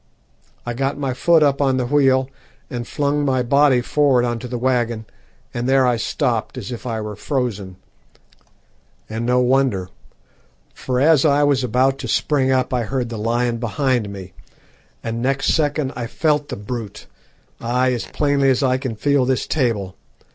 I got my foot up on the wheel and flung my body forward on to the waggon, and there I stopped as if I were frozen, and no wonder, for as I was about to spring up I heard the lion behind me, and next second I felt the brute, ay, as plainly as I can feel this table.